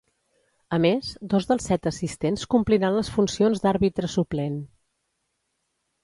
A més, dos dels set assistents compliran les funcions d'àrbitre suplent.